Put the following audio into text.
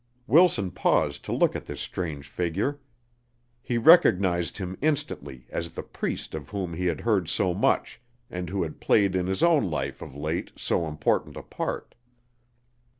Wilson paused to look at this strange figure. He recognized him instantly as the priest of whom he had heard so much and who had played in his own life of late so important a part.